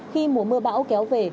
khi mùa mưa bão kéo về